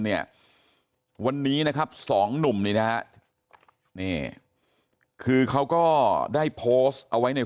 เนี่ยวันนี้นะครับสองหนุ่มนี่นะฮะนี่คือเขาก็ได้โพสต์เอาไว้ใน